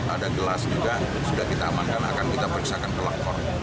ada gelas juga sudah kita amankan akan kita periksakan ke lapor